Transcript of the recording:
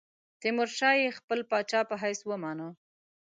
تیمورشاه یې خپل پاچا په حیث ومانه.